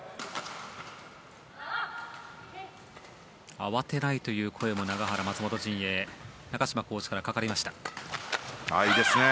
慌てないという声も永原、松本陣営コーチからかかりました。